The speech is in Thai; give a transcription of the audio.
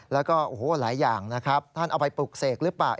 แล้วก็โอ้โหหลายอย่างนะครับท่านเอาไปปลูกเสกหรือเปล่า